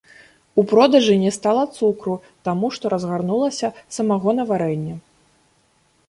У продажы не стала цукру, таму што разгарнулася самагонаварэнне.